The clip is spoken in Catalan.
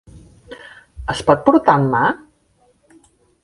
Es pot portar en mà?